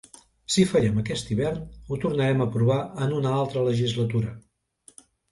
Si fallem aquest hivern, ho tornarem a provar en una altra legislatura.